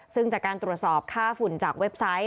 ซึ่งจากการตรวจสอบค่าฝุ่นจากเว็บไซต์